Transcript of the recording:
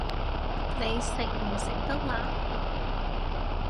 你食唔食得辣